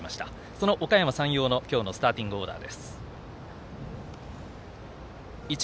そのおかやま山陽の今日のスターティングオーダー。